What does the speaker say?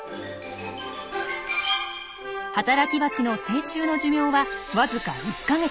働きバチの成虫の寿命はわずか１か月。